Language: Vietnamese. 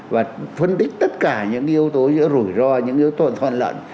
và phân tích tất cả những yếu tố giữa rủi ro những yếu tố toàn loạn